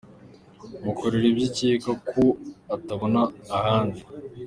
Mukorere ibyo ukeka ko atabona ahandi.